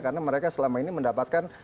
karena mereka selama ini mendapatkan